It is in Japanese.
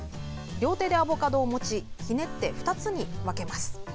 両手でアボカドを持ちひねって２つに分けます。